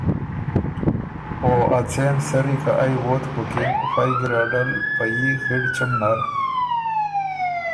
او ا څېن سری که ائ ووتک بُکِن فئ ګیرډل په يي خِړ چُم نر